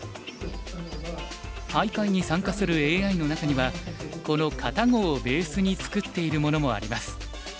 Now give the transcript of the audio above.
大会に参加するＡＩの中にはこのＫａｔａＧｏをベースに作っているものもあります。